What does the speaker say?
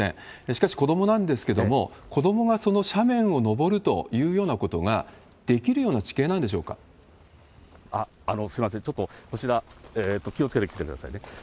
しかし、子どもなんですけども、子どもがその斜面を登るというようなことができるような地形なんすみません、ちょっとこちら、気をつけてきてくださいね。